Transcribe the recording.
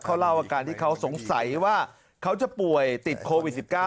เขาเล่าอาการที่เขาสงสัยว่าเขาจะป่วยติดโควิด๑๙